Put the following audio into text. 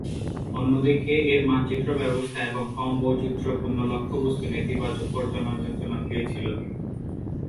অন্যদিকে এর মানচিত্র ব্যবস্থা এবং কম বৈচিত্রপূর্ণ লক্ষ্যবস্তু নেতিবাচক পর্যালোচনা পেয়েছিল।